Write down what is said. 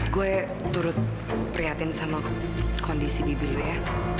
gue turut prihatin sama kondisi bibir gue ya